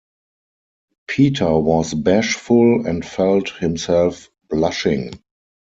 Peter was bashful and felt himself blushing.